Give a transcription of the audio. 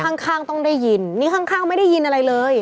ข้างข้างต้องได้ยินนี่ข้างข้างไม่ได้ยินอะไรเลย